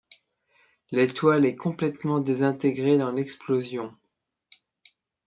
L'étoile est complètement désintégrée dans l'explosion.